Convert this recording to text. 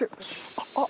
あっあっ！